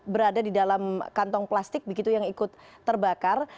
berada di dalam kantong plastik begitu yang ikut terbakar